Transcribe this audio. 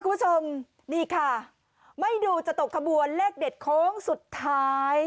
คุณผู้ชมนี่ค่ะไม่ดูจะตกขบวนเลขเด็ดโค้งสุดท้าย